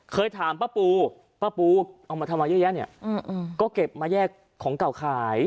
เคยถามป้าปูป้าปูเอามาทำมาเยอะแยะเนี่ยก็เก็บมาแยกของเก่าขาย